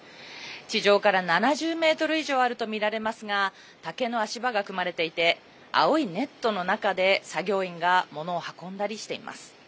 地上から７０ｍ以上あるとみられますが竹の足場が組まれていて青いネットの中で作業員が物を運んだりしています。